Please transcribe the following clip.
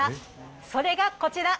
それがこちら。